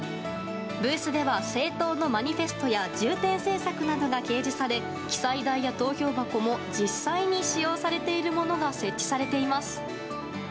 ブースでは政党のマニフェストや重点政策などが掲示され記載台や投票箱も実際に使用されているものが設置されています。